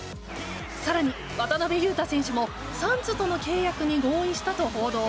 更に、渡邊雄太選手もサンズとの契約に合意したとの報道。